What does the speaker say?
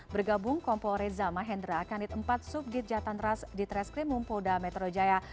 bergabung kompo reza mahendra kanit empat subjid jatan ras di treskrim mumpoda metro jaya